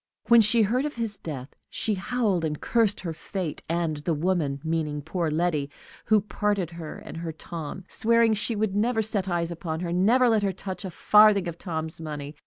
When she heard of his death, she howled and cursed her fate, and the woman, meaning poor Letty, who had parted her and her Tom, swearing she would never set eyes upon her, never let her touch a farthing of Tom's money.